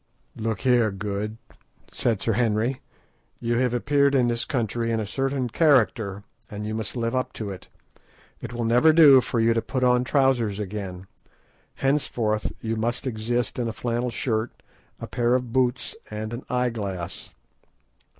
"Look here, Good," said Sir Henry; "you have appeared in this country in a certain character, and you must live up to it. It will never do for you to put on trousers again. Henceforth you must exist in a flannel shirt, a pair of boots, and an eye glass."